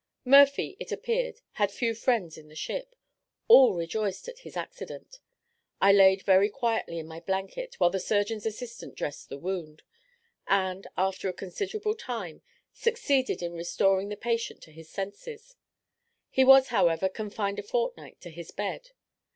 Murphy, it appeared, had few friends in the ship; all rejoiced at his accident. I laid very quietly in my blanket while the surgeon's assistant dressed the wound; and, after a considerable time, succeeded in restoring the patient to his senses: he was, however, confined a fortnight to his bed.